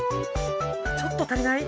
ちょっと足りない？